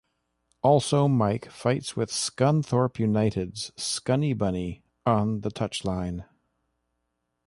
Also Mike fights with Scunthorpe United's Scunny Bunny on the touchline.